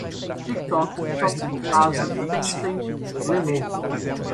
tiktok, shopee, asus, tencent, lenovo